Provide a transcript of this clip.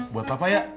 buat papa ya